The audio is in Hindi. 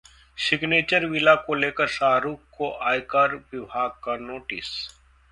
सिग्नेचर विला को लेकर शाहरुख को आयकर विभाग का नोटिस